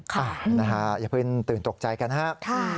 ค่ะอย่าเพิ่งตื่นตกใจกันฮะ